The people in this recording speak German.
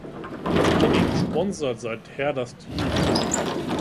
Das Unternehmen sponsert seither das Team.